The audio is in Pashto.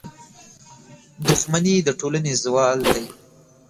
• دښمني د ټولنې زوال دی.